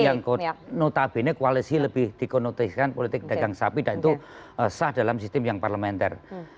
yang notabene koalisi lebih dikonotiskan politik dagang sapi dan itu sah dalam sistem yang parlementer